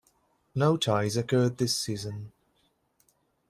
No ties occurred this season.